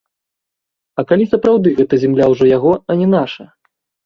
А калі сапраўды гэта зямля ўжо яго, а не наша?